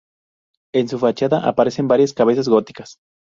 En su fachada aparecen varias cabezas góticas.